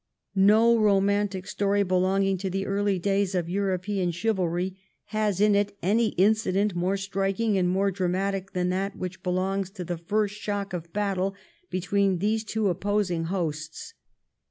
No romantic story belonging to the early days of European chivalry has in it any incident more striking and more dramatic, than that which belongs to the first shock of battle between these two opposing hosts.